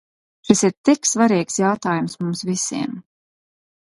Šis ir tik svarīgs jautājums mums visiem.